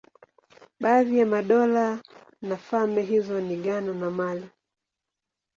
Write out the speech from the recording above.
Baadhi ya madola na falme hizo ni Ghana na Mali.